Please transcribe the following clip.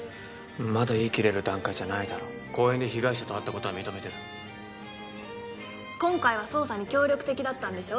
まだ言い切れる段階じゃないだろ公園で被害者と会ったことは認めてる今回は捜査に協力的だったんでしょ